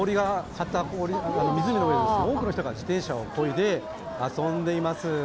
氷が張った湖の上で多くの人が自転車をこいで遊んでいます。